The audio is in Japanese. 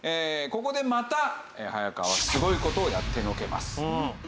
ここでまた早川はすごい事をやってのけます。